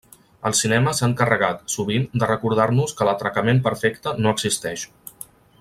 El cinema s'ha encarregat, sovint, de recordar-nos que l'atracament perfecte no existeix.